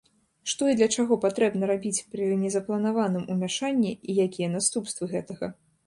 Што і для чаго патрэбна рабіць пры незапланаваным умяшанні, і якія наступствы гэтага.